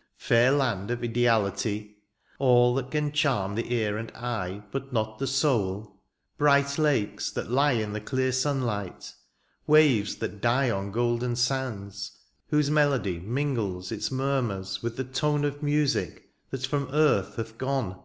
^^ Fair land of ideaUty ;^^ All that can charm the ear and eye " But not the soul ; bright lakes that Ue ^^ In the clear sunlight ; waves that die ^^ On golden sands, whose melody ^^ Mingles its murmurs with the tone " Of music that from earth hath gone.